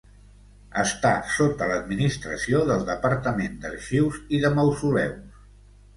Està sota l’administració del Departament d’Arxius i de Mausoleus.